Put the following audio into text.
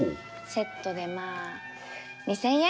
セットでまあ２，０００円。